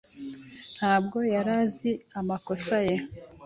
Ntabwo yari azi amakosa ye.